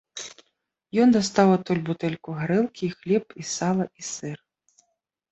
Ён дастаў адтуль бутэльку гарэлкі, і хлеб, і сала, і сыр.